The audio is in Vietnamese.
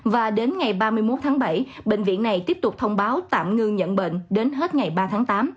và đến ngày ba mươi một tháng bảy bệnh viện này tiếp tục thông báo tạm ngưng nhận bệnh đến hết ngày ba tháng tám